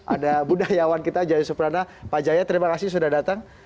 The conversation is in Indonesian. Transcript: ada budayawan kita jaya suprana pak jaya terima kasih sudah datang